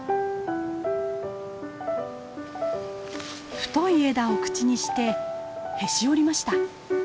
太い枝を口にしてへし折りました。